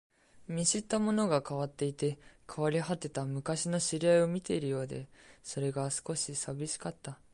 見知ったものが変わっていて、変わり果てた昔の知り合いを見ているようで、それが少し寂しかった